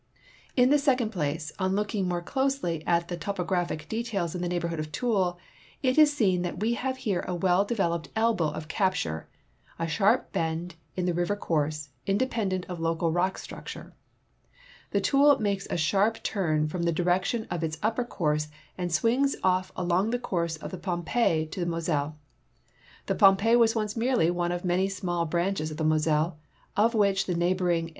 In the second ]>lace, on looking more closely at the topo gra])hic details in the neighborhood of Toul, it is seen that we have here a well developed elbow of c a p t u r e — a shar{) l)cnd in the river course, inde pendent of local rock structure, 'file Toul makes a sharp turn from the direction of its upper course and swings off along the course f)f the Pompcv to the .Moselle, 'flie Pompev was once inerelv one of m a n v s in a 1 1 branches of the Moselle, of which the neighboring